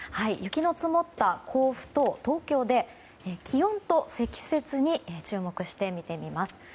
雪の積もった甲府と東京で気温と積雪に注目して見てみます。